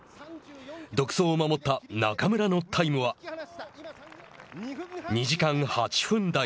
独走を守った中村のタイムは２時間８分台。